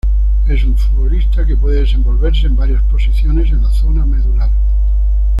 Es un futbolista que puede desenvolverse en varias posiciones en la zona medular.